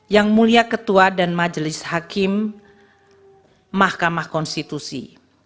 yang mulia ketua dan majelis hakim mahkamah konstitusi